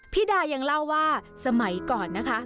พี่ดายังเล่าว่าสมัยก่อนนะคะ